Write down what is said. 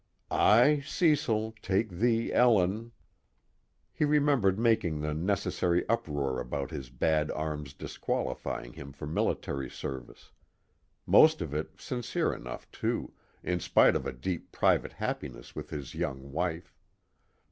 "I, Cecil, take thee, Ellen...." He remembered making the necessary uproar about his bad arm's disqualifying him for military service; most of it sincere enough too, in spite of a deep private happiness with his young wife.